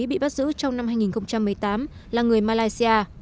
bị bắt giữ trong năm hai nghìn một mươi tám là người malaysia